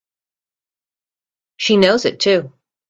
She knows it too!